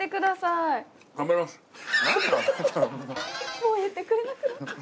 もう言ってくれなくなっちゃった。